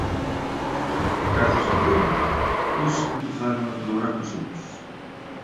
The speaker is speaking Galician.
Grazas ao grupo uns empezaron a colaborar cos outros.